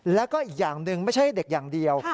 แล้วก็อีกอย่างหนึ่งไม่ใช่เด็กอย่างเดียว